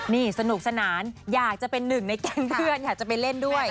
นี่สนุกสนานอยากจะเป็นหนึ่งในแก๊งเพื่อนอยากจะไปเล่นด้วย